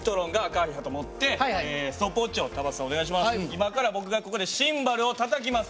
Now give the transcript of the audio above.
今から僕がここでシンバルをたたきます。